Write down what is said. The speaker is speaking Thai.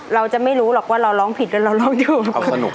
เราจะไม่รู้หรอกว่าเราร้องผิดหรือเราร้องอยู่